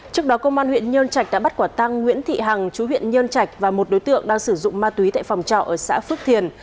trước đó công an huyện nhân trạch đã bắt quả tăng nguyễn thị hằng chú huyện nhơn trạch và một đối tượng đang sử dụng ma túy tại phòng trọ ở xã phước thiền